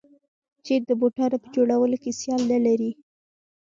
چین د بوټانو په جوړولو کې سیال نلري.